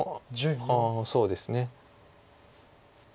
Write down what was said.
ああそうですね。